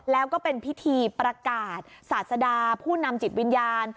แล้วก็เป็นพิธีประกาศศาสดาผู้นำจิตวิญญาณ